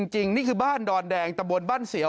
นี่คือบ้านดอนแดงตะบนบ้านเสียว